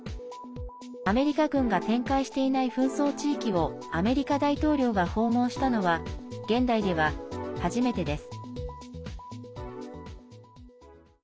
アメリカ軍が展開していない紛争地域をアメリカ大統領が訪問したのは現代では初めてです。